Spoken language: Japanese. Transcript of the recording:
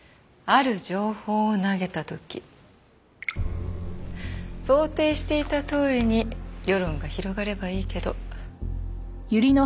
ある情報を投げた時想定していたとおりに世論が広がればいいけど。